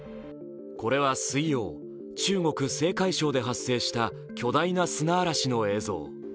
これは水曜、中国・青海省で発生した巨大な砂嵐の映像。